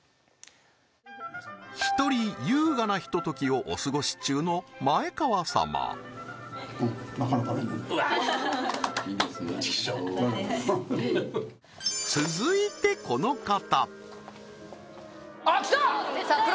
１人優雅なひとときをお過ごし中の前川様続いてこの方あっ来た！